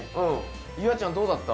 夕空ちゃんどうだった？